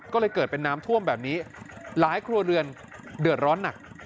ก็เลยเกิดเป็นน้ำท่วมแบบนี้หลายครัวเรือนเดือดร้อนหนัก